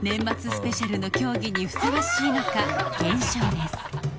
スペシャルの競技にふさわしいのか検証です